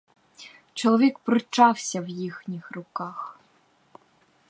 Чоловік пручався в їхніх руках.